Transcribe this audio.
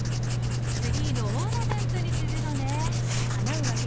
ツリーのオーナメントにするのね。